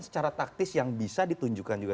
secara taktis yang bisa ditunjukkan juga